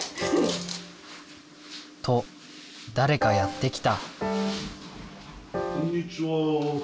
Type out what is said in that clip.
と誰かやって来た。